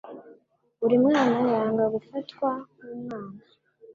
Buri mwana yanga gufatwa nkumwana.